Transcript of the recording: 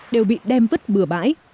đều bị đem vứt bừa bãi